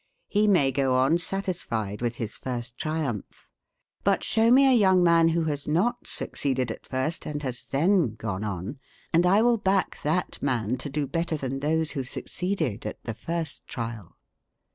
He may go on satisfied with his first triumph; but show me a young man who has not succeeded at first, and has then gone on, and I will back that man to do better than those who succeeded at the first trial."